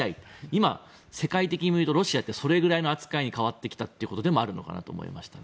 今、世界的に見るとロシアってそれぐらいの扱いに変わってきたってことでもあるのかなと思いました。